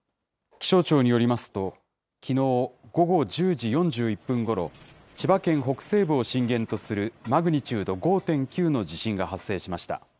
気象庁によりますと、きのう午後１０時４１分ごろ、千葉県北西部を震源とするマグニチュード５．９の地震が発生しました。